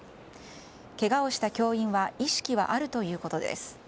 けがをした教員は意識はあるということです。